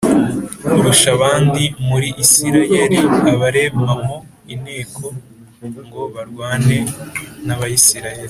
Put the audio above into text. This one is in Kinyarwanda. kurusha abandi m muri Isirayeli abaremamo inteko ngo barwane n Abasiriya